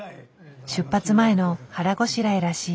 出発前の腹ごしらえらしい。